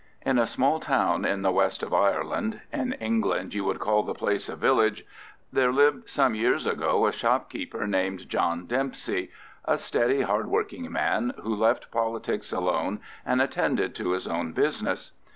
In a small town in the west of Ireland—in England you would call the place a village—there lived some years ago a shopkeeper named John Dempsey, a steady hard working man, who left politics alone and attended to his own business.